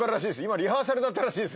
リハーサルだったらしいです